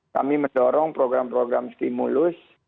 kami mendorong program program stimulus